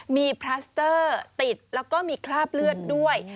มีพลัสเตอร์ติดแล้วก็มีคราบเลือดด้วย